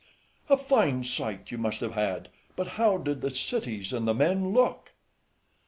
FRIEND. A fine sight you must have had; but how did the cities and the men look? MENIPPUS.